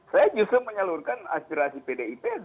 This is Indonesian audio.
saya justru menyalurkan aspirasi pdip